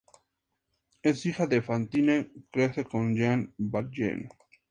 Es hija de Fantine; crece con Jean Valjean.